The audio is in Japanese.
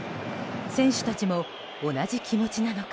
選手たちも同じ気持ちなのか。